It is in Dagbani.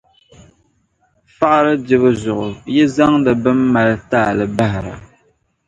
faɣiri dibu zuɣu yi zaŋdi bɛn mali taali bahira.